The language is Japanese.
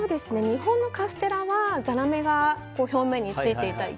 日本のカステラはザラメが表面についていたり。